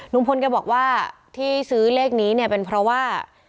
ลุงพลแกบอกว่าที่ซื้อเลขนี้เนี่ยเป็นเพราะว่า